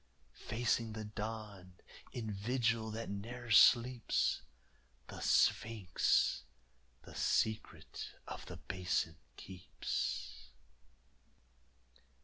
Facing the dawn, in vigil that ne'er sleeps, The sphinx the secret of the Basin keeps.